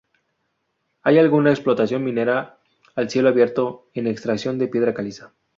Hay alguna explotación minera a cielo abierto en extracción de piedra caliza.